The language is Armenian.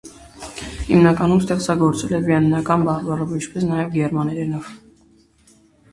Հիմնականում ստեղծագործել է վիեննական բարբառով, ինչպես նաև գերմաներենով։